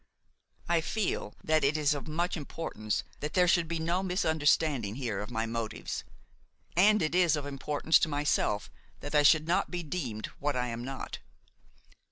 I feel that is of much importance that there should be no misunderstanding here of my motives, and it is of importance to myself that I should not be deemed what I am not.